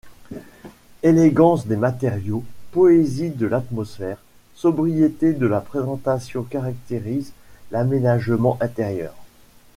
Élégance des matériaux, poésie de l'atmosphère, sobriété de la présentation caractérisent l'aménagement intérieur.